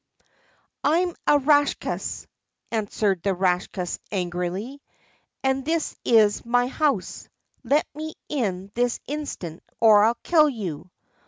"I'm a Rakshas," answered the Rakshas angrily, "and this is my house. Let me in this instant or I'll kill you."